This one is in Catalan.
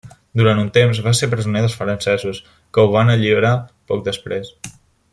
Durant un temps va ser presoner dels francesos, que ho van alliberar poc després.